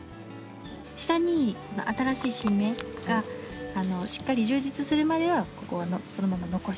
下に新しい新芽がしっかり充実するまではここはそのまま残して。